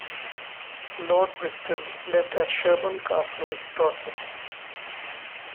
Lord Bristol lived at Sherborne Castle, Dorset.